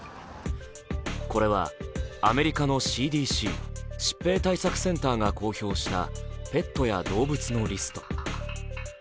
これはアメリカのＣＤＣ＝疾病対策センターが公表したペットや動物のリスト。